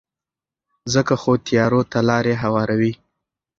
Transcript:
ځکه خو تیارو ته لارې هواروي.